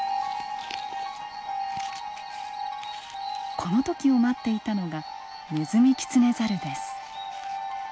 この時を待っていたのがネズミキツネザルです。